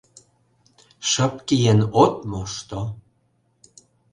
Шып киен от мошто...